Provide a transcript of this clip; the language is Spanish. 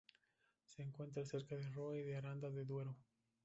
Se encuentra cerca de Roa y de Aranda de Duero.